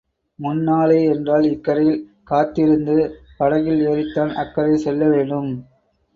முன்னாலே என்றால் இக்கரையில் காத்திருந்து படகில் ஏறித்தான் அக்கரை செல்ல வேணும்.